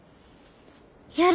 やる。